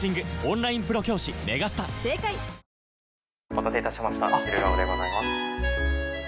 お待たせいたしました昼顔でございます。